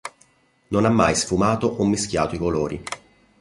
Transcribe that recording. Non ha mai sfumato o mischiato i colori.